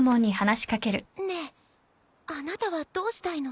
ねえあなたはどうしたいの？